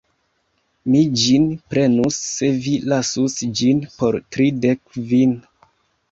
Mi ĝin prenus se vi lasus ĝin por tridek kvin.